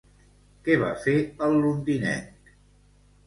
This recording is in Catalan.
Què va fer, el londinenc?